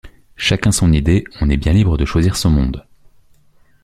Chacun son idée, on est bien libre de choisir son monde.